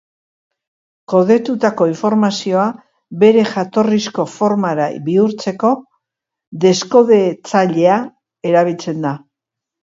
Kodetutako informazioa bere jatorrizko formara bihurtzeko, deskodetzailea erabiltzen da.